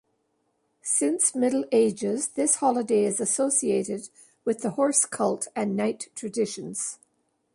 Since Middle Ages, this holiday is associated with the horse cult and knight traditions.